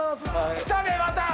きたでまた！